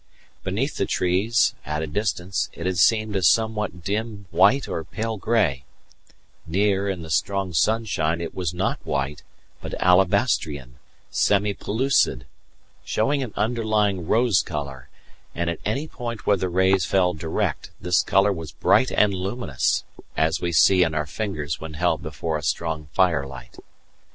Beneath the trees, at a distance, it had seemed a somewhat dim white or pale grey; near in the strong sunshine it was not white, but alabastrian, semi pellucid, showing an underlying rose colour; and at any point where the rays fell direct this colour was bright and luminous, as we see in our fingers when held before a strong firelight.